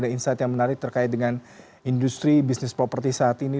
ada insight yang menarik terkait dengan industri bisnis properti saat ini